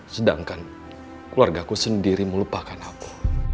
sedangkan keluarga ku sendiri melupakan aku